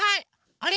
あれ？